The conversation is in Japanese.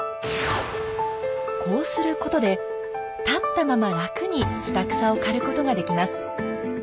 こうすることで立ったまま楽に下草を刈ることができます。